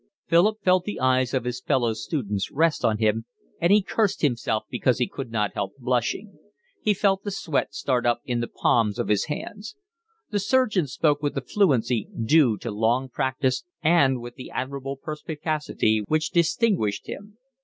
Philip felt the eyes of his fellow students rest on him, and he cursed himself because he could not help blushing. He felt the sweat start up in the palms of his hands. The surgeon spoke with the fluency due to long practice and with the admirable perspicacity which distinguished him.